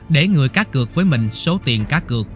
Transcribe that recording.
để người cá cược với mình số tiền cá cược